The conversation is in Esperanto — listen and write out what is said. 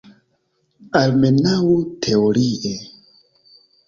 Almenaŭ teorie.